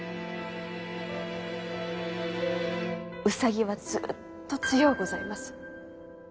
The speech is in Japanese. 兎はずっと強うございます。